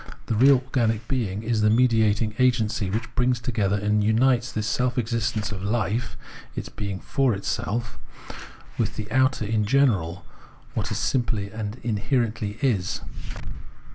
The real organic being is the mediating agency, which brings together and xmites the self existence of life [its being for itself], with the outer in general, with what simply and in herently is.